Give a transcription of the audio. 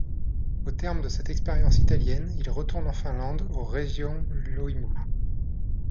Au terme de cette expérience italienne, il retourne en Finlande au Raision Loimu.